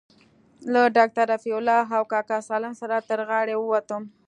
له ډاکتر رفيع الله او کاکا سالم سره تر غاړې ووتم.